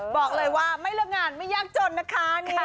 บอกเลยว่าไม่เลิกงานไม่ยากจนนะคะ